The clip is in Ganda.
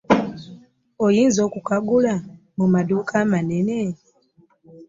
Oyinza okukagula mu maduuka amanene.